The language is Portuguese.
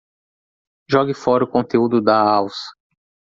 Jogue fora o conteúdo da alça